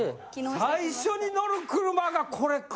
最初に乗る車がこれか。